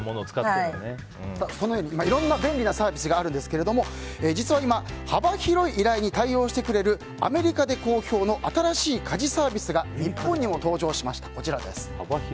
このようにいろんな便利なサービスがあるんですが今、幅広い家事に対応してくれるアメリカで好評の新しい家事サービスが日本にも登場しました。